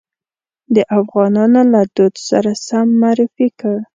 د افغانانو له دود سره سم معرفي کړ.